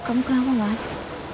kamu kenapa mas